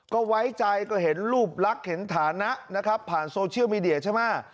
ก็ไว้ใจก็เห็นรูปลักษณ์เห็นฐานะนะครับผ่านโซเชียลมีเดียใช่ไหม